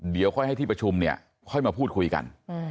เดี๋ยวค่อยให้ที่ประชุมเนี่ยค่อยมาพูดคุยกัน